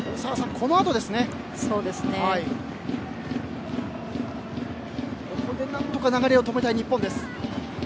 ここで何とか流れを止めたい日本。